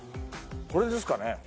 これですかね？